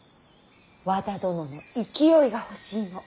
和田殿の勢いが欲しいの。